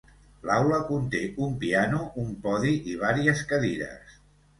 L'aula conté un piano, un podi i varies cadires.